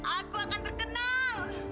aku akan terkenal